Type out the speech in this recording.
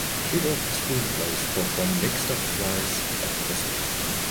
She wrote the screenplays for From the Mixed Up Files of Mrs.